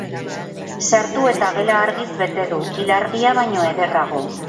Sartu eta gela argiz bete du, ilargia baino ederrago.